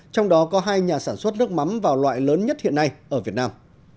trong đó có hai nhà sản xuất nước mắm vào loại lớn nhất hiện nay ở việt nam